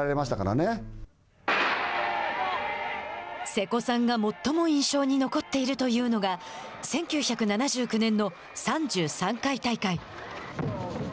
瀬古さんが最も印象に残っているというのが１９７９年の３３回大会。